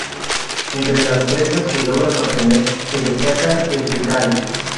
Entre las presas que logran obtener se destaca el pecarí.